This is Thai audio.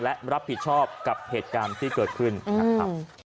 และรับผิดชอบกับเหตุการณ์ที่เกิดขึ้นนะครับ